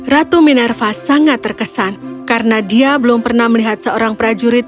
ratu minerva sangat terkesan karena dia belum pernah melihat seorang prajurit